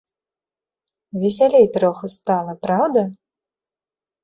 Весялей троху стала, праўда?